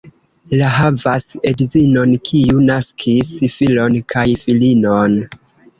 La havas edzinon, kiu naskis filon kaj filinon.